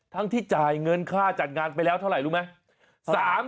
ที่จ่ายเงินค่าจัดงานไปแล้วเท่าไหร่รู้ไหม